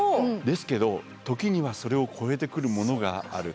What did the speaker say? ですけど時にはそれを越えてくるものがある。